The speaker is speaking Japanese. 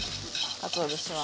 かつお節は。